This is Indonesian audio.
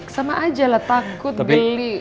sama aja lah takut beli